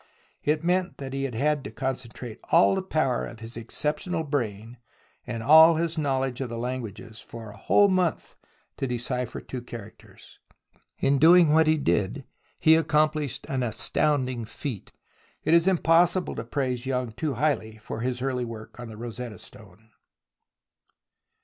It meant that he had to concentrate all the power of his exceptional brain, and aU his knowledge of languages, for a whole month to decipher two characters. In doing what he did, he accompHshed an astounding feat. It is impossible to praise THE ROMANCE OF EXCAVATION 9 Young too highly for his early work on the Rosetta Stone.